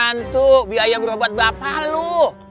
udah bantu biaya berobat bapak lu